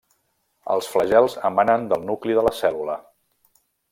Els flagels emanen del nucli de la cèl·lula.